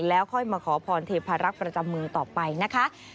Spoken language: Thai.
แล้วค่อยมาขอพรเทพารักษ์ประจำมือต่อไปนะคะ